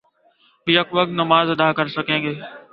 back وقت نماز ادا کر سکیں گے